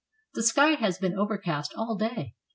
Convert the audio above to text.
The sky has been overcast all day.